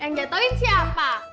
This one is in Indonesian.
yang jatohin siapa